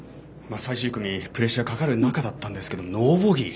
プレッシャーかかる中だったんですけどノーボギー